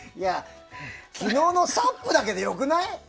昨日のＳＵＰだけで良くない？